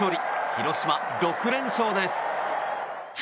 広島、６連勝です。